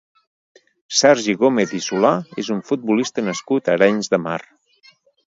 Sergi Gómez i Solà és un futbolista nascut a Arenys de Mar.